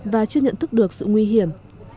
và chưa nhận thức được sự nguy hiểm